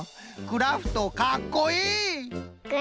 クラフトかっこいい。